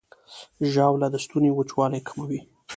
ژاوله د ستوني وچوالی کموي.